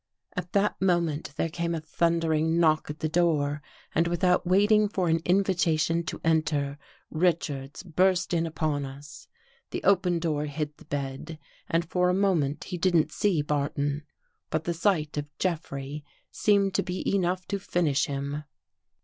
At that moment there came a thundering knock at the door and without waiting for an invitation to enter, Richards burst in upon us. The open door hid the bed and for a moment he didn't see Barton. But the sight of Jeffrey seemed to be enough to finish him.